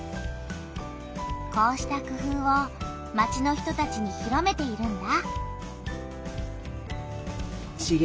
こうした工夫を町の人たちに広めているんだ。